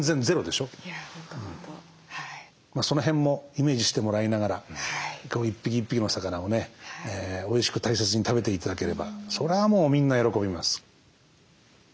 その辺もイメージしてもらいながら一匹一匹の魚をねおいしく大切に食べて頂ければそれはもうみんな喜びます。